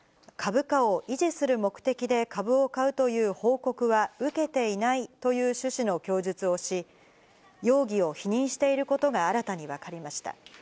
株価を維持する目的で株を買うという報告は受けていないという趣旨の供述をし、容疑を否認していることが新たに分かりました。